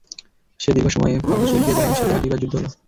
সে দীর্ঘ সময়ে পারসিকদের বাহিনীর সাথে আশিবার যুদ্ধ হল।